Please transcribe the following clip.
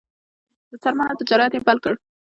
د څرمنو تجارت یې پیل کړ.